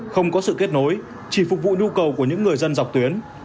không có sự kết nối chỉ phục vụ nhu cầu của những người dân dọc tuyến